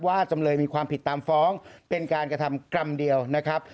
จำเลยมีความผิดตามฟ้องเป็นการกระทำกรรมเดียวนะครับ